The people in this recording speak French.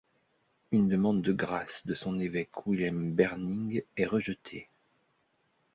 Une demande de grâce de son évêque Wilhelm Berning est rejetée.